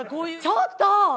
「ちょっと！